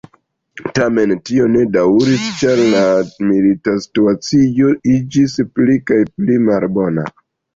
Tamen, tio ne daŭris ĉar la milita situacio iĝis pli kaj pli malbona.